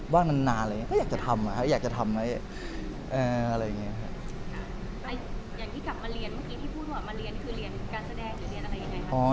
อย่างที่กลับมาเรียนเมื่อกี้ที่พูดว่ามาเรียนคือเรียนการแสดงหรือเรียนอะไรยังไงครับ